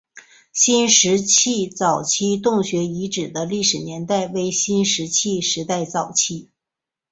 新石器早期洞穴遗址的历史年代为新石器时代早期。